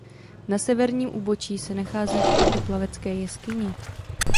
Na severním úbočí se nachází vchod do Plavecké jeskyně.